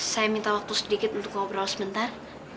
saya minta waktu sedikit untuk ngobrol sebentar